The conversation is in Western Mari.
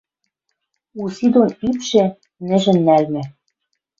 Уси дон ӱпшӹ нӹжӹн нӓлмӹ.